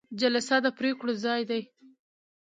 جلسه د پریکړو ځای دی